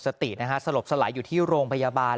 สตินะฮะสลบสลายอยู่ที่โรงพยาบาล